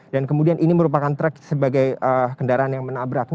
dan kemudian ini merupakan truk sebagai kendaraan yang menabraknya